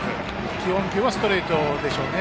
基本はストレートでしょうね。